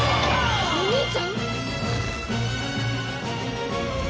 お兄ちゃん！？